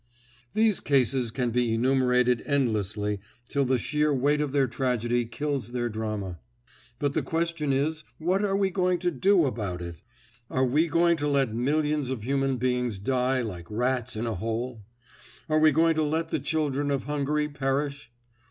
These cases can be enumerated endlessly till the sheer weight of their tragedy kills their drama. But the question is what are we going to do about it? Are we going to let millions of human beings die like rats in a hole? Are we going to let the children of Hungary perish?